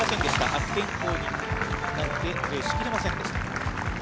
悪天候になって、プレーしきれませんでした。